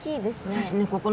そうですね。